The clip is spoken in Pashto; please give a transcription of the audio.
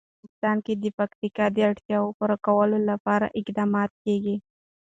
په افغانستان کې د پکتیکا د اړتیاوو پوره کولو لپاره اقدامات کېږي.